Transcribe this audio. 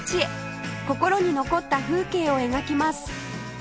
心に残った風景を描きます